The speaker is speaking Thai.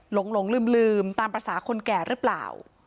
หลงลืมตามภาษาคนแก่หรือเปล่า